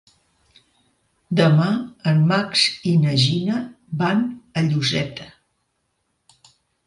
Demà en Max i na Gina van a Lloseta.